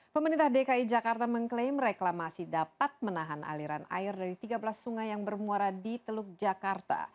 pemerintah dki jakarta mengklaim reklamasi dapat menahan aliran air dari tiga belas sungai yang bermuara di teluk jakarta